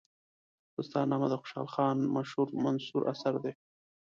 دستارنامه د خوشحال خان مشهور منثور اثر دی.